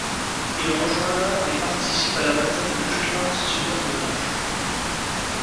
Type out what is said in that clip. Il rejoint la et participe à la bataille du Jutland sans subir de dommages.